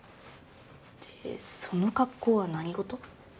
でその格好は何事？